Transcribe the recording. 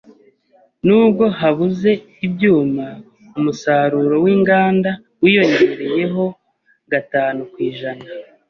Nubwo habuze ibyuma, umusaruro w’inganda wiyongereyeho gatanu ku ijana.